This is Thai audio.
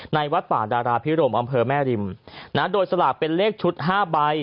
วัดป่าดาราพิรมอำเภอแม่ริมโดยสลากเป็นเลขชุด๕ใบ